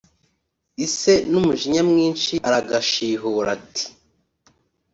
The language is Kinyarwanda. Ise n’umujinya mwinshi aragashihura ati